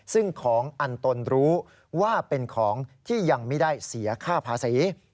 ซึ่งของอันตนรู้ว่าเป็นของที่ยังไม่ได้เสียค่าภาษี